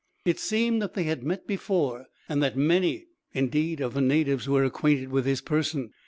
It seemed that they had met before, and that many, indeed, of the natives were acquainted with his person.